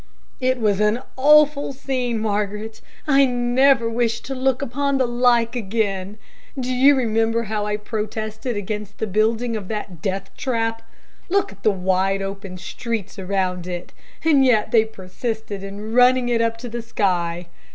"It was an awful scene, Margaret. I never wish to look upon the like again. Do you remember how I protested against the building of that deathtrap? Look at the wide, open streets around it, and yet they persisted in running it up to the sky.